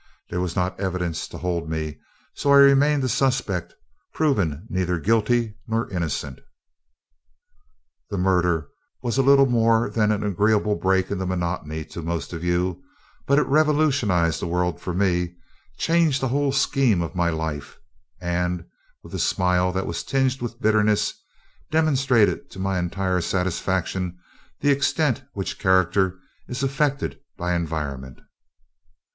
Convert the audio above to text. There was not evidence to hold me, so I remained a suspect, proven neither guilty nor innocent. "The murder was little more than an agreeable break in the monotony to most of you, but it revolutionized the world for me changed the whole scheme of my life and," with a smile that was tinged with bitterness, "demonstrated to my entire satisfaction the extent to which character is affected by environment."